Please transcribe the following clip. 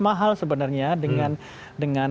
mahal sebenarnya dengan